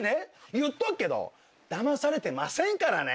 言っとくけどだまされてませんからね。